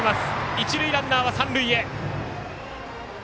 一塁ランナーは三塁へ。